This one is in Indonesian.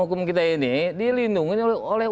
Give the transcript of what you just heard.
hukum kita ini dilindungi oleh